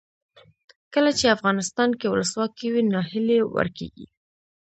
کله چې افغانستان کې ولسواکي وي ناهیلي ورکیږي.